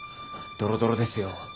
どろどろですよ。